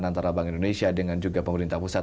sehingga kita bisa mendapatkan keuntungan yang lebih besar